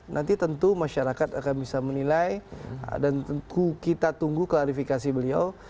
nanti tentu masyarakat akan bisa menilai dan tentu kita tunggu klarifikasi beliau